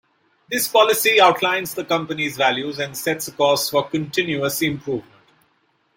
This policy outlines the company's values and sets a course for continuous improvement.